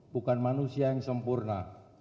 bukan manusia yang sempurna